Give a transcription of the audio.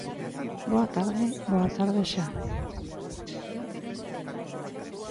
Boa tarde, boa tarde xa.